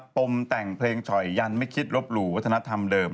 ต่างไปนะครับปมแต่งเพลงฉ่อยยันไม่คิดรบหลู่วัฒนธรรมเดิม